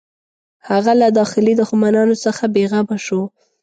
هغه له داخلي دښمنانو څخه بېغمه شو.